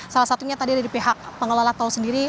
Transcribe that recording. salah satunya tadi dari pihak pengelola tol sendiri